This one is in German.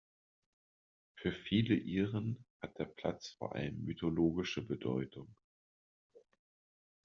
Für viele Iren hat der Platz vor allem mythologische Bedeutung.